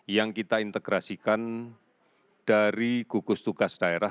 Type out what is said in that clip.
yang kita integrasikan dari gugus tugas daerah